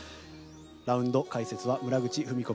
ラウンド解説は村口史子